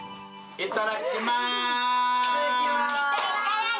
いただきます！